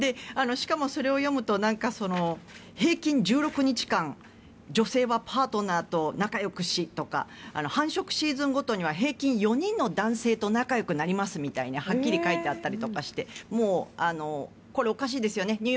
しかもそれを読むと平均１６日間女性はパートナーと仲よくしとか繁殖シーズンごとには平均４人の男性と仲よくなりますみたいにはっきり書いてあったりしてこれ、おかしいですよね。